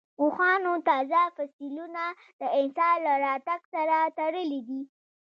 اوښانو تازه فسیلونه د انسان له راتګ سره تړلي دي.